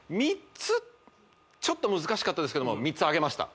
３つちょっと難しかったですけども３つあげました